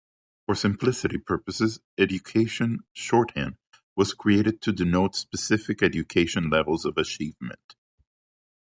For simplicity purposes education shorthand was created to denote specific education levels of achievement.